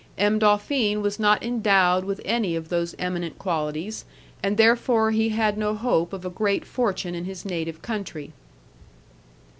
M. Dolfin was not endowed with any of those eminent qualities, and therefore he had no hope of a great fortune in his native country.